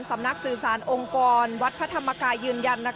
สำนักสื่อสารองค์กรวัดพระธรรมกายยืนยัน